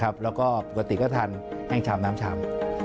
ปกติก็ทานแห้งชามน้ำชาม